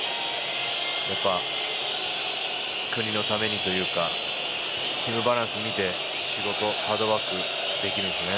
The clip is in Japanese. やっぱり国のためにというかチームバランスを見て仕事、ハードワークができるんですね。